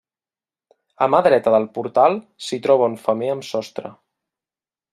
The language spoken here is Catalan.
A mà dreta del portal s'hi troba un femer amb sostre.